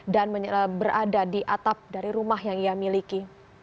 dan berada di atap dari rumah yang ia miliki